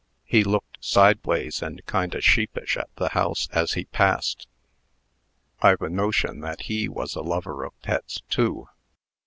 He looked sideways and kind o' sheepish at the house as he passed. I've a notion that he was a lover of Pet's, too."